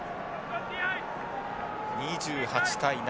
２８対７。